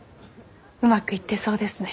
うまくいってそうですね。